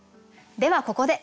ではここで。